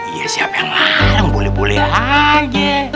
iya siapa yang ngareng boleh boleh aja